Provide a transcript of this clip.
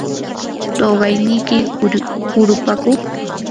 ¿tuqayniki hurupaku?